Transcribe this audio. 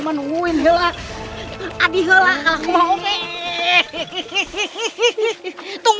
dan bagi kalian yang sudah menonton